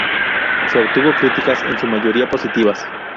Se obtuvo críticas en su mayoría positivas.